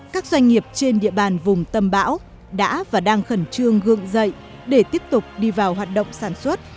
các doanh nghiệp trên địa bàn vùng tâm bão đã và đang khẩn trương gượng dậy để tiếp tục đi vào hoạt động sản xuất